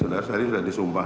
saudara saya sudah disumpah